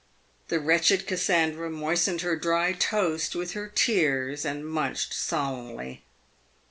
The wretched Cassandra moistened her dry toast with her tears, and munched so lemnly.